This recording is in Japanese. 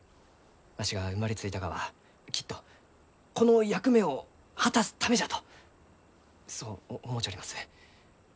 わしが生まれついたがはきっとこの役目を果たすためじゃとそう思うちょります。